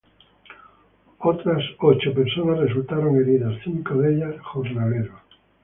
Otras ocho personas resultaron heridas, cinco de ellas jornaleros.